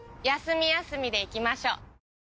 休み休みでいきましょう。